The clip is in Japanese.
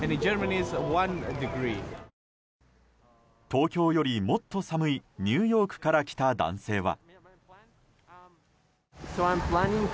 東京よりもっと寒いニューヨークから来た男性は。